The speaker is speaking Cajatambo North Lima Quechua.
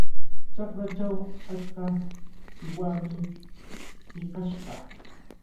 Chakrachaw achka qiwami hiqashqa.